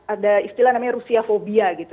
ada istilah namanya rusia fobia gitu